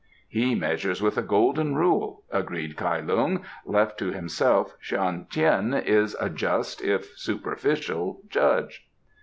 "He measures with a golden rule," agreed Kai Lung. "Left to himself, Shan Tien is a just, if superficial, judge."